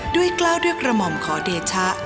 กล้าวด้วยกระหม่อมขอเดชะ